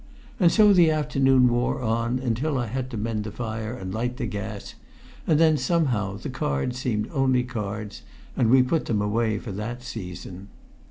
And so the afternoon wore on, until I had to mend the fire and light the gas; and then somehow the cards seemed only cards, and we put them away for that season.